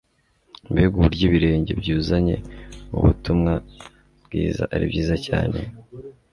mbega uburyo ibirenge byuzanye ubutumwa bwiza ari byiza cyane